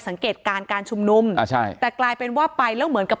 สังเกตการณ์การชุมนุมอ่าใช่แต่กลายเป็นว่าไปแล้วเหมือนกับ